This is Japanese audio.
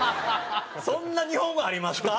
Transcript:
そんな日本語ありますか？